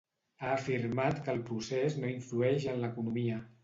Ha afirmat que el Procés no influeix en l'economia.